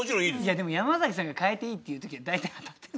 でも山崎さんが変えていいって言う時は大体当たってる時。